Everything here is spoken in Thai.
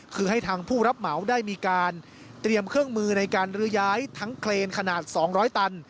คือให้ทางผู้รับเหมาได้มีการเตรียมเครื่องมือในการลื้อย้ายทั้งเครนขนาด๒๐๐ตัน